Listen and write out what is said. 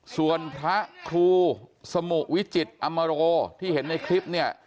ส่วนพระครูสมุวิจิตรอมโรที่เห็นในคลิปเนี่ย